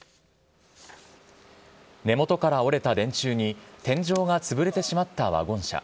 根元から折れた電柱に、天井が潰れてしまったワゴン車。